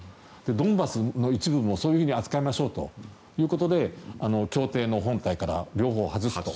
ドンバスの一部もそういうふうに扱うのは難しいということで協定の本体から両方外すと。